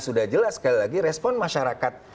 sudah jelas sekali lagi respon masyarakat